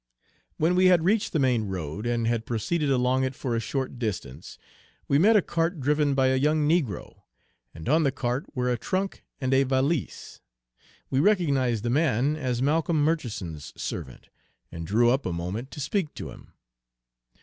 When we had reached the main road and had proceeded along it for a short distance, we met a cart driven by a young negro, and on the cart were a trunk and a valise. We recognized the man as Malcolm Murchison's servant, and drew up a moment to speak to him.